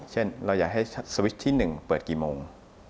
เช่นเราอยากให้สวิชที่๑เปิดกี่โมง